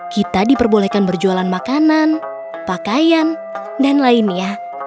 kita diperbolehkan berjualan makanan pakaian dan lainnya